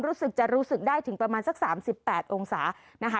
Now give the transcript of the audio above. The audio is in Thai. รู้สึกจะรู้สึกได้ถึงประมาณสัก๓๘องศานะคะ